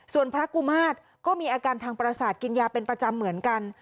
ส่วนพระกุมาตรก็มีอาการทางประสาทกินยาเป็นประจำเหมือนกัน